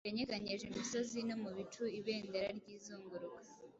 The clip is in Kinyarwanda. Yanyeganyeje imisozi, no mu bicu Ibendera ryizunguruka.